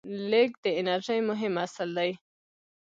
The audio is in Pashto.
لیږد د انرژۍ مهم اصل دی.